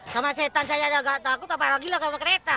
sama setan saya nggak ada takut apa lagi lah sama kereta